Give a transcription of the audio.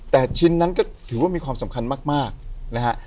แต่ชิ้นนั้นก็ถือว่ามีความสำคัญมากนะฮะ